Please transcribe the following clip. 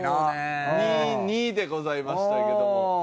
２：２でございましたけども。